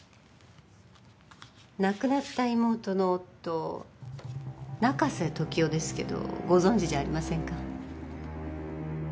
亡くなった妹の夫中瀬時雄ですけどご存じじゃありませんか？